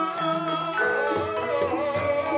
saya kek mampu kutip